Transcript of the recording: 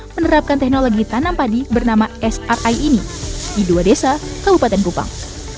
menerapkan teknologi tanam padi bernama sri ini di dua desa kabupaten kupang